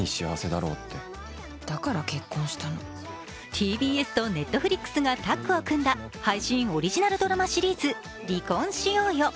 ＴＢＳとＮｅｔｆｌｉｘがタッグを組んだ配信オリジナルドラマシリーズ「離婚しようよ」。